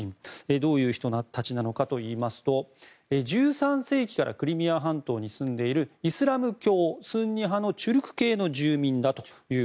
どういう人たちなのかといいますと１３世紀からクリミア半島に住んでいるイスラム教スンニ派のチュルク系の住民です。